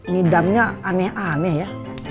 nidamnya aneh aneh ya